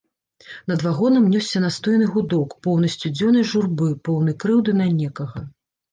Над вагонам нёсся настойны гудок, поўны сцюдзёнай журбы, поўны крыўды на некага.